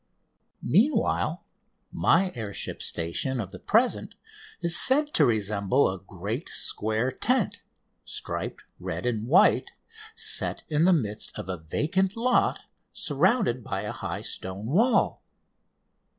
Meanwhile my air ship station of the present is said to resemble a great square tent, striped red and white, set in the midst of a vacant lot surrounded by a high stone wall.